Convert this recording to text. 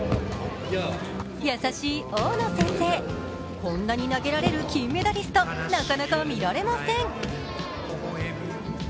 こんなに投げられる金メダリスト、なかなか見られません。